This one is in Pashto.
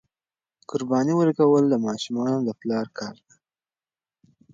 قرباني ورکول د ماشومانو د پلار کار دی.